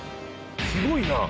すごいな。